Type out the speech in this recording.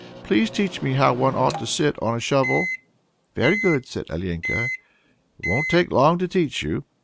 Please teach me how one ought to sit on a shovel." "Very good," said Alenka; "it won't take long to teach you."